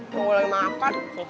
mau gue lagi makan